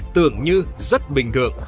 tưởng như rất bình thường